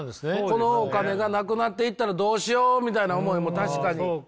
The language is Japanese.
このお金がなくなっていったらどうしようみたいな思いも確かに考えながら。